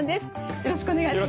よろしくお願いします。